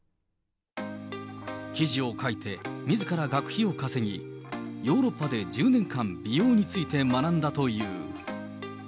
記事を書いて、みずから学費を稼ぎ、ヨーロッパで１０年間、美容について学んだという。